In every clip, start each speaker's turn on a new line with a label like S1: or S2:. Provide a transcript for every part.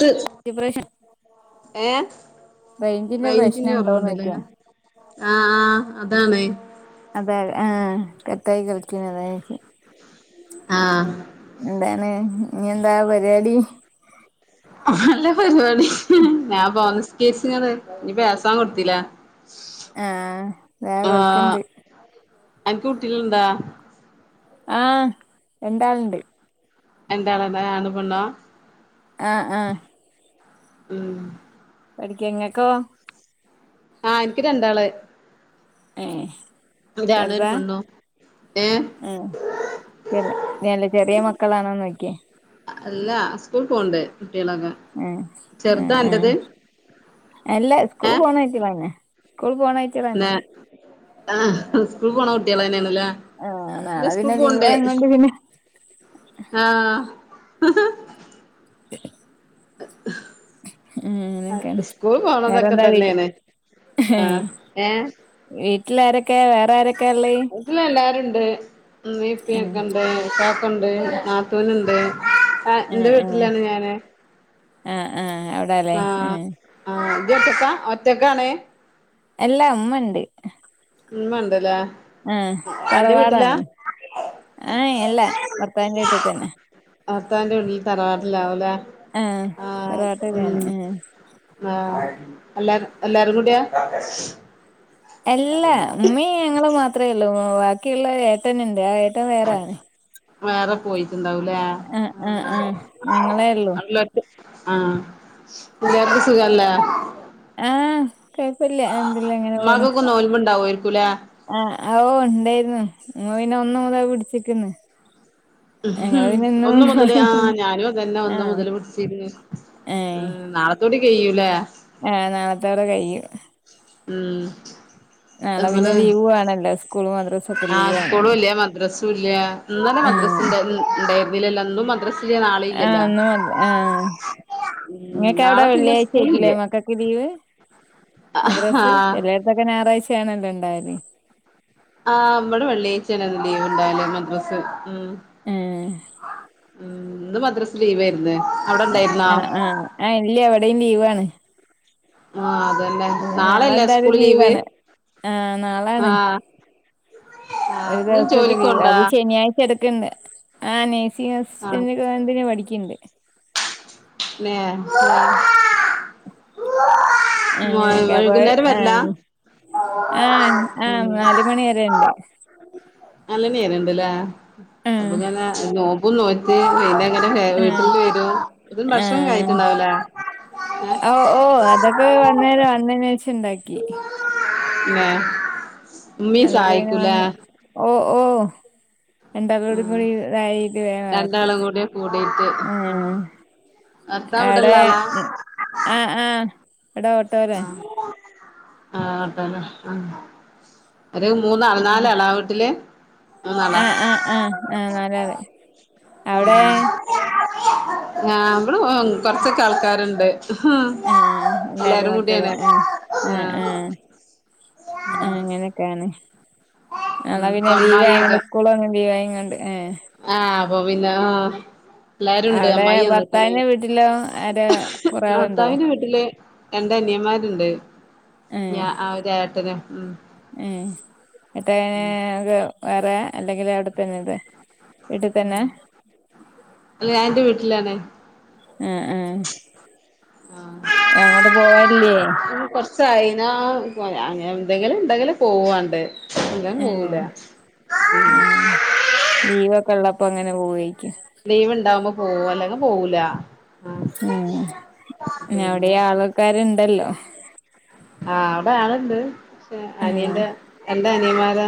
S1: ത്ത്
S2: ഡിപ്രേഷൻ
S1: ഏ
S2: പ്രശ്നം
S1: റെയ്ഞ്ചിന്റെ കൊറവിണ്ടല്ലേ
S2: ഉണ്ടോന്നൊക്കെയാ
S1: ആ ആ അതാണ്
S2: ആ കത്തായി കളിക്ക അതാ ചോയ്ച്ച്
S1: ആ
S2: എന്താണ് ഇനി എന്താ പരിപാടി
S1: നല്ല പരിപാടി ഞാൻ പോന്ന കേസ്കള് ഇനിപ്പോ ഏസാൻ കൊടുത്തില്ല
S2: ആ അതാ
S1: ആഹ്
S2: കൊട്ക്കണ്ട്
S1: അനക്ക് കുട്ടികളിണ്ടാ
S2: ആ രണ്ടാളിണ്ട്
S1: രണ്ട് ആളെന്നെ ആണ്പെണ്ണോ
S2: ആ ആ
S1: ഉം
S2: പഠിക്കങ്ങക്കോ
S1: ആ എനിക്ക് രണ്ടാള്
S2: ഏ
S1: ഒരാണും ഒരു
S2: ചെറുതാ
S1: പെണ്ണും ഏഹ്
S2: ആ ചെറി നല്ല ചെറിയ മക്ക മക്കളാണോന്ന് നോക്കിയേ
S1: അല്ല സ്കൂള് പോണ്ട് കുട്ടികളൊക്കെ
S2: ഏ ആ
S1: ചെറുതാ
S2: ആ
S1: അന്റത്
S2: അല്ല സ്കൂൾ
S1: ഏഹ്
S2: പോണ [unintelligible] സ്കൂൾ പോണ [unintelligible]
S1: ആ സ്കൂള് പോണ കുട്ടികളന്നേണ് ല്ല
S2: ആഹ്
S1: ഇന്ന്
S2: നാളെ
S1: സ്കൂൾ
S2: പിന്നെ
S1: പോണ്ടേ
S2: ലീവായകൊണ്ട് പിന്നെ
S1: ആ [unintelligible]
S2: ഉം അങ്ങനൊക്കെയാണ്
S1: സ്കൂൾ പോണതൊക്കെ
S2: വേറെന്താ വീട്ടി
S1: തന്നെയാണ് ആ ഏ
S2: വേറാരൊക്കെള്ളെ
S1: വീട്ടില് എല്ലാരുണ്ട്
S2: ഏഹ്
S1: ഉമ്മീംപ്പൊക്കെ ഉണ്ട് ഇക്കാക്കണ്ട് നാത്തൂനുണ്ട് ആ എന്റെ വീട്ടിലാണ് ഞാന്
S2: ആ ആ അവിടാല്ലേ ആ
S1: ഇയ്യ് ഒറ്റക്കാ ഒറ്റക്കാണ്
S2: എല്ലാ ഉമ്മണ്ട്
S1: ഉമ്മണ്ട്ലേ
S2: ആ തർവാടാണ് ആ എല്ല ഭർത്താവിന്റെ വീട്ടിൽ തന്ന
S1: ഭർത്താവിന്റെ വീട്ടില് തറവാട്ടിലാവുലേ
S2: ആഹ്
S1: ആ ഉം
S2: തറവാട്ടിലാണ് ആഹ്
S1: ആ അല്ല എല്ലാരും കൂടിയാ
S2: അല്ല ഉമ്മേം ഞങ്ങളും മാത്രേ ഉള്ളൂ ബാക്കിയുള്ള ഏട്ടനുണ്ട് ആ ഏട്ടൻ ഏട്ടൻ വേറാണ്
S1: വേറെ പോയിട്ടുണ്ടാവുല്ലേ ആ
S2: ആഹ് ആഹ് ഞങ്ങളേ ഉള്ളൂ
S1: എല്ലർക്കും സുഖല്ലേ
S2: ആ, കൊഴപ്പില്ല എന്തില്ല ഇങ്ങനെ പോണ്.
S1: ഉമ്മാക്കൊക്കെ നോൽമ്പുണ്ടാവുമായിരിക്കൂലേ
S2: ആ, ഓ ഉണ്ടായിരുന്നു പിന്നെ ഒന്നു മുതലാ പിടിച്ച് നിക്ക്ന്നെ
S1: ഉം, ഒന്ന് മുതല് ആ ഞാനും അതുതന്നെ ഒന്ന്
S2: ആഹ്
S1: മുതല് പിടിച്ചിരുന്നു ഉം നാളത്തൂടിടി കഴിയും ഇല്ലേ
S2: ആ, നാളത്തോടെ കഴിയും
S1: ഉം
S2: നാളെ പിന്നെ
S1: നമ്മള്
S2: ലീവ് വേണല്ലോ സ്കൂളു തുറ മദ്രസും ഒക്കെ
S1: ആ, സ്കൂളും ഇല്ല, മദ്രസും ഇല്ല. ഇന്നലെ മദ്രസ
S2: ഉം
S1: ഉണ്ടായിരുന്നില്ലല്ല, ഒന്നും മദ്രസ ഇല്ല, നാളെ ഇല്ലല്ല
S2: നിങ്ങക്ക് അവിടെ വെള്ളിയാഴ്ച ആയിരിക്കില്ലേ മക്കൾക്ക് ലീവ്.
S1: ആ
S2: മദ്രസ് എല്ലായിടത്തൊക്കെ ഞായറാഴ്ചയാണല്ലോ ഉണ്ടായല്.
S1: ആ നമ്മുടെ പള്ളിയിൽ ചിലത് ലീവ് ഉണ്ടാവില്ല മദ്രസേല്
S2: ആ
S1: ഉം, ഇന്ന് മദ്രാസ് ലീവ് ആയിരുന്നു
S2: ആ, ആ, ഇല്ല, അവിടെയും ലീവ് ആണ്
S1: ആ, അതന്നെ നാളെ അല്ലേ
S2: എന്തായാലും
S1: സ്കൂൾ ലീവ്,
S2: ലീവാണ് ആഹ്
S1: ആ
S2: നാളാണ്
S1: ആഹ്
S2: ഒരു
S1: ഇന്ന്
S2: ദിവസം ഇത്
S1: ജോലിക്കോണ്ടാ
S2: അത് ശനിയാഴ്ച എടുക്കണ്ട് ആ
S1: ആഹ്
S2: [unintelligible] പഠിക്കണ്ട്
S1: [unintelligible] അ വൈകുന്നേരം വരില്ല
S2: ആ ആ, നാല് മണി വരെ ഉണ്ട്
S1: നല്ല നേരൊണ്ടല്ലാ,
S2: ആഹ്
S1: അപ്പൊ നോമ്പും നോറ്റ് എങ്ങനെ വീട്ടിൽ വരും ഇതും
S2: ആ,
S1: ഭക്ഷണം കഴിട്ടുണ്ടാവൂലേ
S2: ഓ, ഓ അതൊക്കെ വന്നേരം വന്നേന് ശേഷം വേ [unintelligible]
S1: മമ്മി
S2: അതൊക്കെ പിന്നെ
S1: സഹായിക്കുലേ
S2: വന്ന് ഓ ഓ രണ്ടാളും കൂടി ഇതായിട്ട് വേഗ ആക്കും
S1: രണ്ടാളും കൂടി കൂടിട്ട് ആഹ് ഭർത്താവ്
S2: ആ
S1: ഇവിടെള്ള
S2: എടെ
S1: ആളാ
S2: ആ, ആ, എടെ ഓട്ടോ വരാൻ
S1: ഓട്ടോല, അതോ മൂന്നാളാ, നാലാള ആ വീട്ടില് മൂന്നാളാ
S2: ആ, ആ, ആ, ആ നാലാള്, അവിടെ
S1: ഇവിടെ കൊറച്ചൊക്കെ ആൾക്കാരുണ്ട്
S2: ഉം, എല്ലാരും [unintelligible] ഉം, ഉം, ഉം ആ, അങ്ങനെയൊക്കെയാണ് നാളെ
S1: ഉം
S2: പിന്നെ ലീവ്
S1: അമ്മായിയൊക്കെ
S2: ആയോണ്ട് സ്കൂളും അങ്ങ് ലീവ്‌ ആയോണ്ട്
S1: ആ,. അപ്പൊ പിന്നെ ആഹ എല്ലരും ഉണ്ട്,
S2: അവിടെ
S1: അമ്മായി വന്നിട്ടുണ്ട്
S2: ഭർത്താവിന്റെ വീട്ടിലോ ആരാ കൊറേ ആളുണ്ടോ
S1: ഭർത്താവിറെ വീട്ടില്. രണ്ട് അനിയൻമാരുണ്ട്
S2: ഉം, ഉം ഇട്ടനെക്കെ വേറെ അല്ലെങ്കിൽ എവിടെത്തന്നെ ഇത് വീട്ടിൽ തന്നെ
S1: ഉം, അല്ല ഞാനെന്റെ വീട്ടിലാണ്
S2: ആ, ആ അങ്ങോട്ട് പോവ ഇല്ലേ
S1: കുറച്ച് കയിഞ്ഞ അങ്ങ നെഎന്തെങ്കിലും ഉണ്ടെങ്കിലും പോവാണ്ട് ഇല്ല പോവൂല
S2: ആഹ് അപ്പം അങ്ങനെ പോവെ
S1: ലീവ് ഇണ്ടാവുമ്പോ പോവും, അല്ലെങ്കിൽ പോവൂല ആ
S2: ഉം അവിടെ
S1: പിന്നെ
S2: ആൾക്കാരുണ്ടല്ലോ
S1: ആ അവിടെ ആള് ഇണ്ട്, പക്ഷെ
S2: ഉം
S1: അനിയന്റെ എന്റെ അനിയമാരാ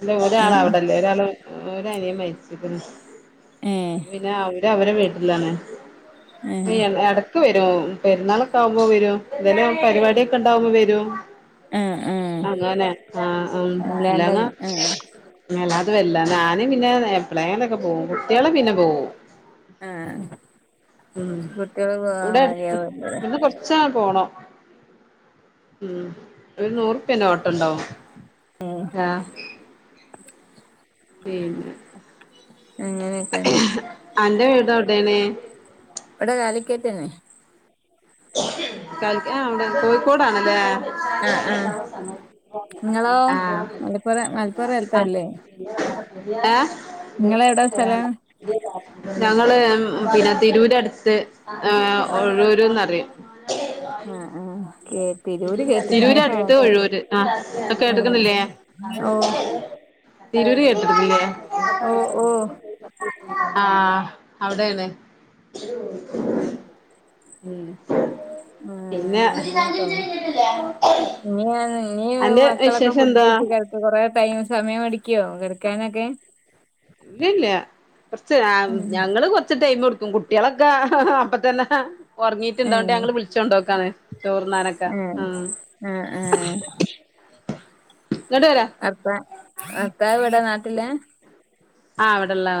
S1: അല്ല ഒരാൾ
S2: ഉം
S1: അവിടല്ലേ ഒരാൾ ഒ അനിയ മരിച്ചിട്ട്
S2: ഏഹ്
S1: പിന്നെ അവര് അവരെ വീട്ടിലാണെ
S2: ഏഹ്
S1: ക്ക് വരും പെരുന്നാളൊക്കെ ആകുമ്പോ വരും ഇല പരിപാടിയൊക്കെ ഉണ്ടാവകുമ്പോ വരോ
S2: ആഹ് ആഹ്
S1: അങ്ങനെ ആ
S2: അല്ലാണ്ട്
S1: അല്ലങ്ങ
S2: ആഹ്
S1: അത വല്ല ഞാനും പിന്നെ എപളേങ്ങൊക്കെ പോകും കുട്ടികളെ പിന്നെ പോകും
S2: ആഹ്
S1: ഉം
S2: കുട്ടികള് പോവാൻ
S1: അട് ഇവിടെ
S2: മതിയാവൂലല്ലേ
S1: ഇന്ന് കൊറച്ച പോണൊ ഉം ഒരു നൂറ് പിന്നെ ഓട്ടണ്ടാവും ആഹ പിന്ന
S2: അങ്ങനെയക്കാന്
S1: അന്റെ വീട അവിടെയണേ
S2: ഇട ആലക്കേറ്റന
S1: ക ആ അവിടെ കോയിക്കോടാണല്ലേ
S2: ആഹ് ആഹ്
S1: സമയായി
S2: നിങ്ങളോ മലപ്പുറം മലപ്പുറത്തല്ലേ
S1: [unintelligible] ഏ
S2: നിങ്ങളെവിടാ സ്ഥലം
S1: [unintelligible] ഞങ്ങള് പിന്നെ തിരൂര അടുത്ത് ഒഴൂരന്ന്റിയു [unintelligible]
S2: ആ ആ കേ തിരൂര് കേട്ട് ഹ
S1: തിരൂരടുത്ത്
S2: ഹ
S1: ഒഴൂര് ആ
S2: ആ
S1: കേട്ടക്കണില്ലേ
S2: ഓ
S1: തിരൂര് കേട്ടിട്ടുന്നില്ലേ
S2: ഓ ഓ
S1: ആ അവിടെയാണ്
S2: ആ
S1: പിന്നെ
S2: ആ അങ്ങനൊക്ക നീ നീ
S1: അന്റെ
S2: മക്കളൊക്കെ
S1: വിശേഷം
S2: ഫുഡ്
S1: എന്താ
S2: കഴിച് കേക്ക കുറെ ടൈം സമയടിക്കോ കിടക്കാനൊക്കെ
S1: ഇല്ല ഇല്ല കൊറച്ച് ഞങ്ങള് കൊറച്ച് ടൈം കൊടു കുട്ടികളൊക്കെ ഹ ഹഅപ്പ തന്നെ ഒറങ്ങീട്ട് എന്തൊണ്ട്
S2: ഏഹ്
S1: ഞങ്ങള് വിളിച്ചോണ്ടോക്കാണ് ചോർന്നാനൊക്കെ ആ
S2: ആ
S1: ഇങ്ങോട്ട് വരാ
S2: അർത്താ അർത്താ ഇവിടെ നാട്ടില
S1: ആഹ അവിടെള്ളാള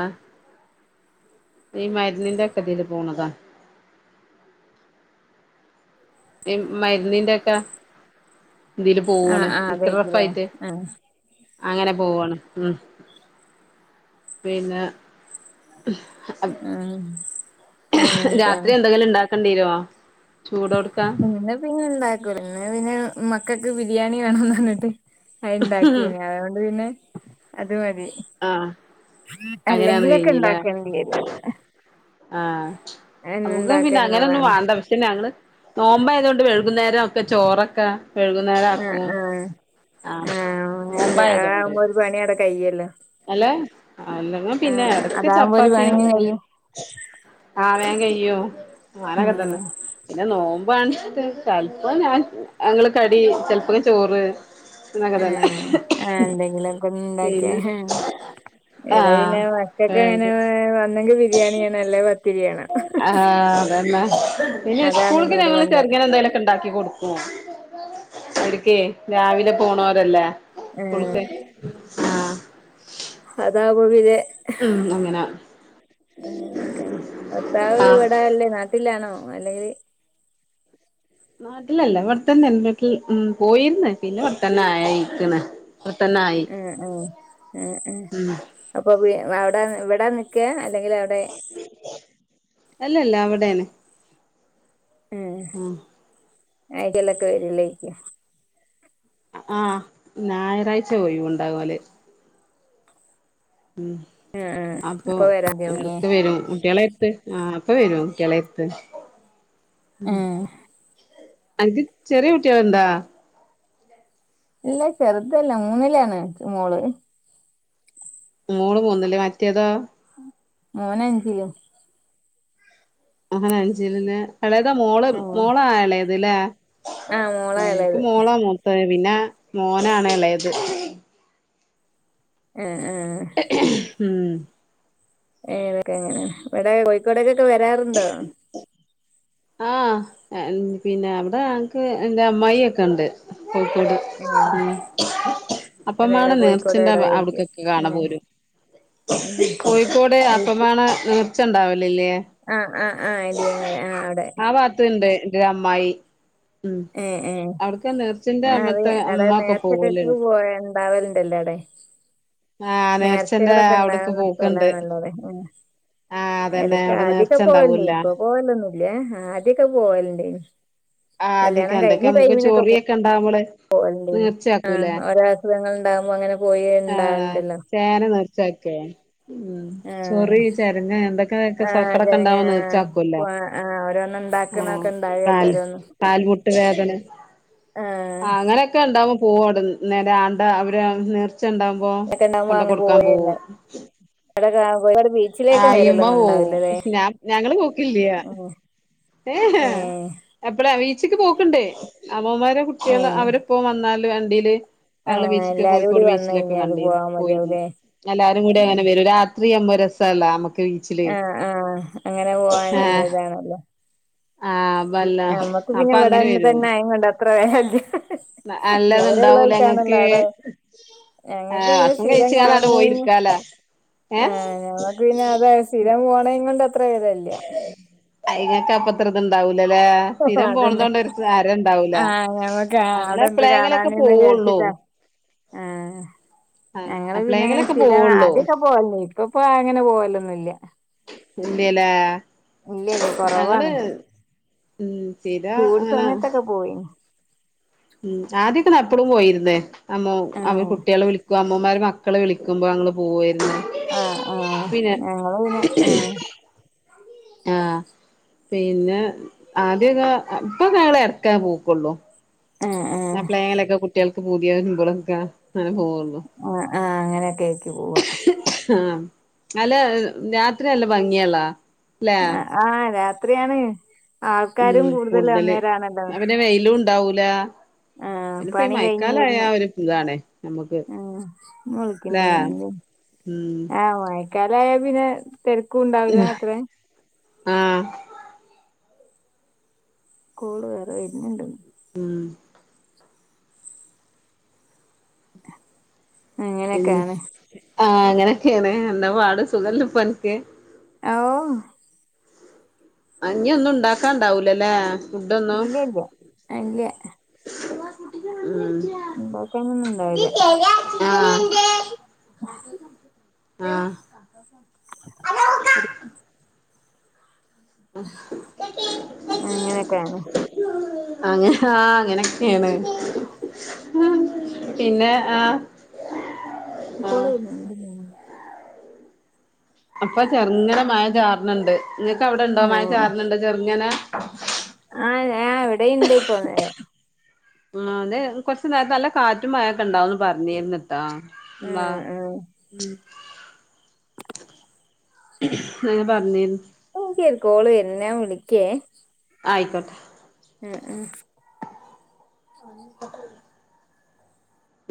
S1: ഈ മരുന്നിന്റെക്കതിൽ പോണതാ ഇ മരുന്നിന്റെ ഒക്കെ എന്തയില്
S2: ആഹ്
S1: പോവാണ്
S2: ആഹ്
S1: എനിക്ക് റഫ്
S2: അതേക്കുലേ
S1: ആയിട്ടേ
S2: ആഹ്
S1: അങ്ങനെ പോവാണ് ഉം പിന്നെ [unintelligible]
S2: ആഹ്
S1: രാത്രി
S2: അങ്ങനെയൊക്കെയാണ്
S1: എന്തെങ്കിലും ഉണ്ടാക്കേണ്ടിരുമോ
S2: ഇന്ന് പിന്നെ ഇണ്ടാക്കൂല ഇന്ന് പിന്നെ മക്കക്ക് ബിരിയാണി വേണംന്ന് പറഞ്ഞിട്ട് അ ഇണ്ടാക്കിനി അതുകൊണ്ട് പിന്നെ അത് മതി
S1: ആ അങ്ങനെയാണ്
S2: അല്ലെങ്കിലൊക്കെ ഉണ്ടാക്കേണ്ടിരു
S1: ആ നമുക്ക് പിന്നെ അങ്ങനെ ഒന്നും വാണ്ട പക്ഷേ ഞങ്ങള് നോമ്പ ആയതൊണ്ട് വെകുന്നേരം ഒക്കെ ചോറൊക്കെ വെഴുകുന്നേരം
S2: ആഹ്
S1: ആക്കും
S2: ആഹ്
S1: ആഹ
S2: ആഹ്
S1: മോമ്പായതൊണ്ട്
S2: അതാകുമ്പോ ഒരു പണി അവിടെ കഴിയല്ലോ
S1: അല്ലെ അല്ലങ്ങ പിന്നെ
S2: ആഹ്
S1: ഇടക്ക്
S2: അതാകുമ്പോ ഒരു
S1: ചപ്പാത്തിയൊ
S2: പണിയും കഴിയും
S1: അവേ കയ്യോ ആരക്ക
S2: ഉം
S1: തന്നെ പിന്നെ നോമ്പാണ് ചെൽപോ ഞാൻ അങ്ങള് കടി ചെൽപ്പങ്കി ചോറ് എന്നൊക്കെ തന്നെ
S2: ഉം ആ എന്തെങ്കിലും ഒക്കെ ഒന്ന ഇണ്ടാക്കിയ
S1: പിന്നെ
S2: എത പിന്നെ
S1: ആഹ്
S2: മക്കൊക്കെ ങ്ങനെ വന്നെങ്കിൽ ബിരിയാണിയ ആണോ അല്ലേ പത്തിരിയാണോ
S1: ആഹ് അതന്നെ ഇനി സ്കൂൾക്ക് ഞങ്ങള്
S2: നിർബന്ധം
S1: ചെർങ്ങെനെ എന്തെലൊക്കെ ണ്ടാക്കി കൊടുക്ക വര്ക് രാവിലെ പോണോരെല്ലേ കുള്ക് ആഹ്
S2: അതാകുമ്പോ പിന്നെ
S1: ഉം അങ്ങന
S2: അങ്ങനെക്കെണ് ഭർത്താവ്
S1: ആഹ്
S2: ഇവിടല്ലേ നാട്ടിലാണോ അല്ലെങ്കില്
S1: നാട്ടിലല്ല ഇവിടെതെന്നെ ന്റെ വീട്ടിൽ ഉ പോയിര്ന്ന് പിന്നെ ഇടെത്തന്നെ ആയിക്കണ്
S2: ഉം ഉം ഉം ഉം അപ്പൊ വി അ അവിട ഇവിടാ നിക്ക അല്ലെങ്കിൽ അവിടെ
S1: ഏ ന് ആഹ്
S2: ഐഡിയല്ലൊക്കെ വരില്ലേയ്ക്ക
S1: ആഹ് ഞായറാഴ്ച ഒയിവ് ണ്ടാവല് ഉം
S2: ആ ആ
S1: അപ്പൊ
S2: വരാണ്ടാവൂലേ
S1: എടക്ക് വരും കുട്ടിളെ ത്ത് ആ പ്പൊ വരുംകുട്ട്യേളട്ത്ത് അൻക് ചെറിയ കുട്ടിള്ണ്ടോ
S2: ഇല്ല ചെറുതല്ല മൂന്നില ആണ് മോള്
S1: മോള് മൂന്നില് മറ്റേതാ
S2: മോനഞ്ചില്
S1: അഹന അഞ്ചിൽന്ന് അളേതാ മോള്
S2: ആ
S1: മോളാ ഇളയത് ല്ലേ
S2: ആ മോളാ
S1: നിക്ക്
S2: എളയത്
S1: മോളാ മൂത്ത പിന്നെ മോനാണ് എളേത്
S2: ആ ആഹ്
S1: ഉം
S2: ഏതൊക്കെ എങ്ങനെയ ഇവിടെ കോഴിക്കോടേക്കൊക്കെ വരാറുണ്ടോ
S1: ആഹ് പിന്നെ അവിടെ നക്ക് എന്റ അമ്മായി ക്കെ ണ്ട് കോഴിക്കോട്
S2: ഏ
S1: ഉം അപ്പ മാണ
S2: ഇവിടെടെ കോഴിക്കോട്
S1: നേർച്ചന്റെ ബ
S2: എവിടെയായിരിക്കും
S1: അവിട്ക്കൊക്കെ കാണാ പോരും കോഴിക്കോട് അപ്പമാണ ന്നെ
S2: ആആആ എലിയങ്ങര ആ
S1: ആ ഭാഗത്തുണ്ട് എന്റെ അമ്മായി ഉം
S2: ഏ ഏ
S1: അവിട്ക്ക നേർച്ചന്റെ
S2: ആ അറിയ
S1: അന്നത്തെ
S2: അവിടെ
S1: അമ്മ ക്കെ
S2: നേർച്ചക്കൊക്കെ
S1: പോവല്ണ്ട് [inaudible]
S2: പോയ ഉണ്ടാവലുണ്ടല്ലോ അവിടെ നേർച്ചകളൊക്കെ ഉണ്ടാവുന്ന
S1: പോക്കുണ്ട്
S2: സ്ഥലാണല്ലോത് ഹമ്
S1: ആഹ് അതന്നെ
S2: എടക്ക
S1: അവിടെ
S2: ആദ്യൊക്കെ
S1: നേർച്ച
S2: പോവലുണ്ട്
S1: ഉണ്ടാവൂല്ല
S2: ഇപ്പൊ പോവലൊന്നുല്ലേ ആദ്യൊക്കെ പോവലണ്ട്നി
S1: ആ് അതൊക്കെണ്ടൊക്കെ നമ്മുക്ക് ചോറിയൊക്കെ ഇണ്ടാവമ്മള്
S2: പോഅൽണ്ടേയ്നി ആഹ് ഓര അസുഖങ്ങൾ ഉണ്ടാവുമ്പോ അങ്ങനെ പോയി ഇണ്ടാവണ്ടല്ലോ
S1: സക്കെ ഉം
S2: ആഹ്
S1: ചൊറി ചെര്ങ്ങ എന്തൊക്കെക്കെ
S2: ആഹ്
S1: സൊക്കടക്കെ
S2: ചെരങ്ങ
S1: ഇണ്ടവാ
S2: ആഹ്
S1: നിർച്ചകൊല്ലോ
S2: ക്കെണ്ടാഎല്ലെരോന്ന്
S1: കാൽമുട്ട് വേദന
S2: ആഹ്
S1: ആ അങ്ങനെയൊക്കെ ഉണ്ടാവും പോഅട്ന്ന് നേരാണ്ട അവര് നി ച്ച ണ്ടാകുമ്പോ
S2: ഒക്കെ ഉണ്ടാവുമ്പോ
S1: കൊണ്ട
S2: അങ്ങനെ
S1: കൊടുക്കാൻ പോവും
S2: പോവലുണ്ടാവും ഇവിടെ കോഴിക്കോട്
S1: ആ
S2: ബീച്ചിലേക്കൊന്നും
S1: ഇമ്മ
S2: വരലൊന്നും
S1: പോവു
S2: ഉണ്ടാവില്ലല്ലേ
S1: ഞാൻ ഞങ്ങള് പോക്കില്ല
S2: ഉം
S1: ഏ ഹെ
S2: ഏഹ്
S1: എപ്പടാ വീച്ക്ക് പോക്ണ്ട് അമ്മോമാരെ കുട്ട്യാള്
S2: ഏഹ്
S1: അവരിപ്പോ വന്നാല് വണ്ടിയില് താള
S2: ആഹ്
S1: ബീച്ചിക്
S2: എല്ലാരും കൂടി
S1: കോഴിക്കോട്
S2: വന്ന്
S1: ബീച്ചിലൊക്കെ
S2: കഴിഞ്ഞാല്
S1: കണ്ടിരുന്നു
S2: പോവാൻ
S1: പോയിരുന്നു
S2: മതിയാവുല്ലേ
S1: എല്ലാവാരും കൂടി അങ്ങനെ വരും രാ ത്രി അമ്മഹ് രസല്ല നമ്മുക്ക് വീച്ചില്
S2: ആഹ് ആഹ് അങ്ങനെ
S1: ആഹ് ആഹ് വല്ല
S2: നമ്മക്ക് പിന്നെ
S1: അപ്പൊ അങ്ങനെ
S2: ഇവിടന്ന്
S1: വരും
S2: തന്നെ ആയ കൊണ്ട് അത്ര വേ ദൂരെ
S1: അല്ലത്ണ്ടാവൂല
S2: ള്ളോൽക്കണല്ലോ
S1: ഇങ്ങക്ക്
S2: അവിടെ ഞങ്ങക്ക്
S1: ആഹ്
S2: പിന്നെ
S1: ഭക്ഷണം
S2: സ്ഥീരം
S1: കഴിച്ച്ങ്ങാണ്ടണ്ട്
S2: കാണുന്നയ്ന്
S1: പോയിരിക്കാലോ ഏഹ്
S2: ആഹ് ഞമ്മക്ക് പിന്നെ അതാ സ്ഥിരം പോണയും കൊണ്ട് അത്ര വെലല്ല
S1: അയിനൊക്കെ അപ്പത്ര ഇത് ഉണ്ടാവു ല്ലല്ലേ സ്ഥിരം പോണത്
S2: അതന്നെ
S1: കൊണ്ട് ഒരു തരം ഇണ്ടാവൂല
S2: ആഹ് ഞമ്മക്ക്
S1: അങ്ങനെ
S2: അവിടെ എന്ത്
S1: എപ്പളെങ്കിലൊക്കെ
S2: കാണാന്ന്ന്
S1: പോവുള്ളൂ.
S2: വിചാരിച്ചിട്ടാ
S1: [unintelligible]
S2: ആഹ് ഞങ്ങള് പിന്നെ അങ്ങനെ
S1: അപ്ളേങ്കിലൊക്കെ
S2: സ്ഥിര
S1: പോവുള്ളൂ
S2: അതിപ്പോ പോവല് ഇപ്പപ്പോ അങ്ങനെ പോവലൊന്നുല്ല.
S1: ഇല്ല്യലേ
S2: ഇല്ല ഇല്ല
S1: ഞങ്ങടെ
S2: കൊറവാണ്
S1: ഉം സ്ഥിര
S2: ചൂട്
S1: അങ്ങനെ
S2: സമയത്തൊക്കെ പോയിന്
S1: ഉം ആദ്യൊക്കെനപ്പളും പോയിരുന്ന്. അമ്മു അവർ
S2: ആഹ്
S1: കുട്ടികളെ വിളിക്കും. അമ്മമാര് മക്കളെ വിളിക്കുമ്പോ ഞങ്ങള് പോവേയിരുന്നു.
S2: ആഹ് ആഹ്
S1: പിന്നെ
S2: ഞങ്ങള് പിന്നെ ആഹ്
S1: ആഹ്. പിന്നെ ആദ്യൊക്കെ ഇപ്പൊ ഞങ്ങള് എറക്ക പോക്കുള്ളൂ.
S2: ആഹ്
S1: ആ
S2: ആഹ്
S1: പ്ലേയലെക്കെ കുട്ടികൾക്ക് പുതിയ [unintelligible]
S2: ആഹ് ആഹ് അങ്ങനെയെക്കെ എക്ക് പോവാ.
S1: അല്ല രാത്രി അല്ല ഭംഗിയെളളാ
S2: ആഹ് ആഹ് രാത്രിയാണ്.
S1: ഉം
S2: ആൾക്കാരും
S1: കൂടുതല്.
S2: അന്നേരാണല്ലോ
S1: അ പിന്നെ വെയിലും ഉണ്ടാവൂല.
S2: ആഹ്
S1: എനിപ്പ
S2: പണി കഴിഞ്ഞ്
S1: മയക്കാലായ
S2: വരുന്നെ
S1: ഒര് സുഖം ആണ്.
S2: ആഹ്, മുളക്കിന്റെ തൂണിലോ
S1: ഉം
S2: ആ മായേ. കലായ പിന്നെ തെരക്കും ഒണ്ടാവില്ല അത്രേം.
S1: ആഹ്
S2: കോടു വേര്നിണ്ട്.
S1: ഉം. പിന്നെ
S2: അങ്ങനെയൊക്കെയാണ്.
S1: ആഹ് അങ്ങനെക്കെയാണ്. എന്താ പാട് സുഖല്ലേ ഇപ്പോ അനക്ക്.
S2: ആ ഓ
S1: അങ്ങൊന്നും ഉണ്ടാക്കാണ്ടാവൂലല്ലേ. ഫുഡൊന്നും
S2: ഇല്ല്യ ഇല്ല്യ എല്ല്യാ.
S1: ഉം
S2: ഉണ്ടാവില്ല
S1: ആഹ്. ആഹ്.
S2: ശെരി. അങ്ങനെയൊക്കെയാണ്
S1: അങ്ങനെ ഹാ അങ്ങനൊക്കേണ്. പിന്നെ ആഹ്
S2: ഉം
S1: ആഹ്
S2: കോള് [unintelligible]
S1: അപ്പൊ ചെർങ്ങനെ മയ ചാറർണ്ണ്ട്. ങ്ങക്കവിടെണ്ടോ മഴ
S2: ആഹ്
S1: ചാർന്ണ്ടോ ചെർങ്ങെനെ?
S2: ആഹ് ഞാൻ എവിടെയിണ്ടപ്പൊങ്ങനെ.
S1: ഉം അതേ കൊർച്ച് നേര്ത്തെ നല്ല കാറ്റും മഴൊക്കെണ്ടാവുന്ന് പ പർഞ്ഞീര്ന്ന്ട്ടാ
S2: ആഹ് ആഹ്
S1: [unintelligible] ഉം അങ്ങനെ പർഞ്ഞീന്ന്
S2: ക്കൊര് കോള് വെര്ന്ന് ഞാൻ വിളിക്കേ.
S1: ആയിക്കോട്ടെ
S2: ഏഹ് ഏഹ്